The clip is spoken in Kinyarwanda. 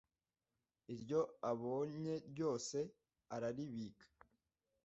iryo abonye ryose araribika